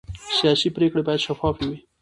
سیاسي پرېکړې باید شفافې وي